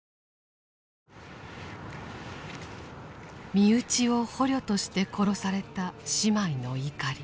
身内を捕虜として殺された姉妹の怒り。